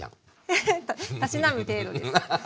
エヘッたしなむ程度です。